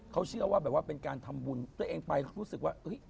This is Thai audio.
เขาเชื่อว่าแบบว่าเป็นการทำบุญตัวเองไปรู้สึกว่า